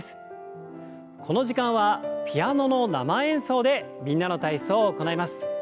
この時間はピアノの生演奏で「みんなの体操」を行います。